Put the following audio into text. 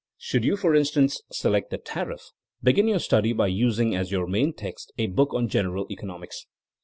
Should you, for in stance, select the tariff, begin your study by us ing as your main text a book on general eco nomics.